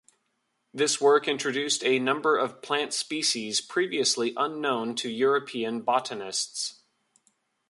This work introduced a number of plant species previously unknown to European botanists.